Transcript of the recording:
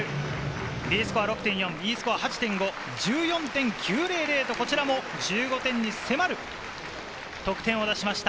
Ｄスコア６．４、Ｅスコア８．５、１４．９００と１５点に迫る得点を出しました。